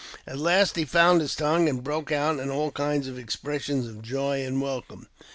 At last he found tongue, and broke out in all kinds of expressions of joy and welcome.